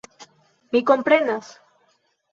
Mi komprenas.